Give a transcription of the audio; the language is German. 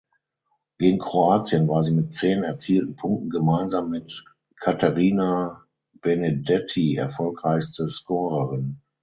Gegen Kroatien wir sie mit zehn erzielten Punkten gemeinsam mit Caterina Benedetti erfolgreichste Scorerin.